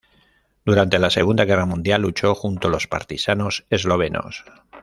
Durante la Segunda Guerra Mundial luchó junto los partisanos eslovenos.